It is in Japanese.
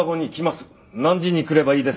何時に来ればいいですか？